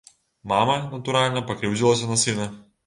Мама, натуральна, пакрыўдзілася на сына.